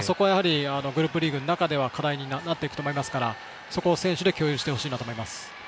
グループリーグの中では課題になってくると思いますから選手で共有してほしいと思います。